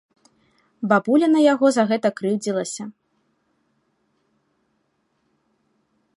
Бабуля на яго за гэта крыўдзілася.